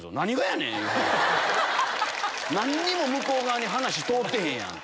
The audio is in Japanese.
何にも向こう側に話通ってへんやん！